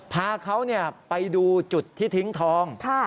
พาเขาไปดูจุดที่ทิ้งทอง